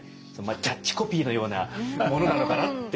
キャッチコピーのようなものなのかなって。